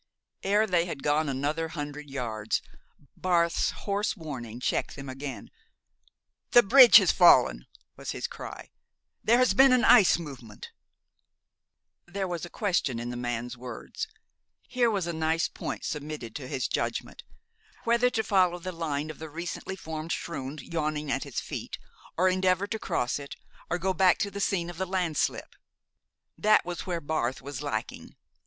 Ere they had gone another hundred yards, Barth's hoarse warning checked them again. "The bridge has fallen!" was his cry. "There has been an ice movement." There was a question in the man's words. Here was a nice point submitted to his judgment, whether to follow the line of the recently formed schrund yawning at his feet, or endeavor to cross it, or go back to the scene of the landslip? That was where Barth was lacking.